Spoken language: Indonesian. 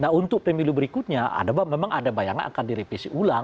nah untuk pemilu berikutnya memang ada bayangan akan direvisi ulang